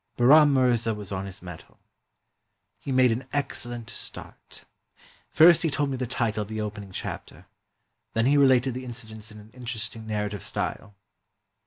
Bahram Mirza was on his mettle. He made an excel lent start. First he told me the title of the opening chapter, then he related the incidents in an interesting narrative style.